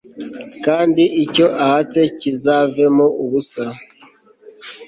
kandi icyo ahatse, kizavemo ubusa